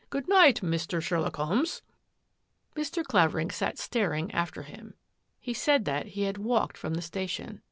" Goodnight — Mr. Sherlock Holmes !'' Mr. Clavering sat staring after him. He said that he had walked from the station.